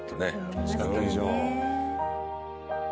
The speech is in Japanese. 嬉しかったでしょう。